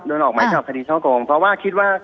ออกหมายจับคดีช่อโกงเพราะว่าคิดว่า